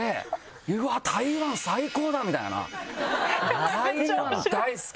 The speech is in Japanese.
台湾最高だ！みたいな台湾大好き！